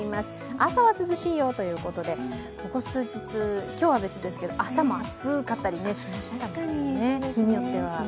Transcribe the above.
朝は涼しいよということで、ここ数日、今日は別ですけれども、朝も暑かったりしましたもんね、日によっては。